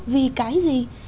vì cái gì